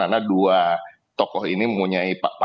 karena dua tokoh ini mempunyai panggilan